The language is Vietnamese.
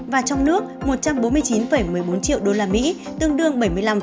và trong nước một trăm bốn mươi chín một mươi bốn triệu usd tương đương bảy mươi năm